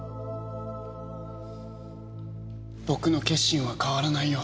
僕の決心は変わらないよ。